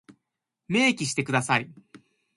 明記してください。